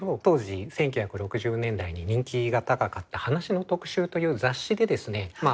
当時１９６０年代に人気が高かった「話の特集」という雑誌でですね